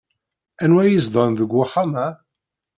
Anwa ay izedɣen deg wexxam-a?